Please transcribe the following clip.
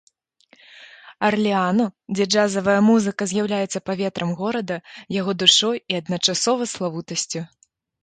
Арлеану, дзе джазавая музыка з'яўляецца паветрам горада, яго душой і адначасова славутасцю.